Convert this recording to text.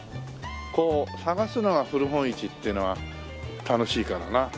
こう探すのが古本市っていうのは楽しいからな。